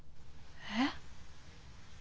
えっ？